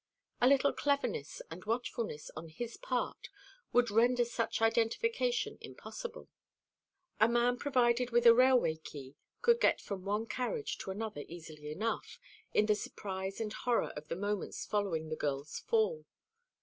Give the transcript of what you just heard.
A little cleverness and watchfulness on his part would render such identification impossible. A man provided with a railway key could get from one carriage to another easily enough, in the surprise and horror of the moments following upon the girl's fall.